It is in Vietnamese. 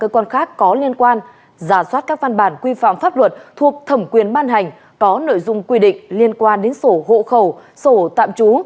cơ quan khác có liên quan giả soát các văn bản quy phạm pháp luật thuộc thẩm quyền ban hành có nội dung quy định liên quan đến sổ hộ khẩu sổ tạm trú